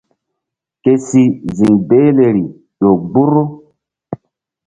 Ke si ziŋ behleri ƴo gbur.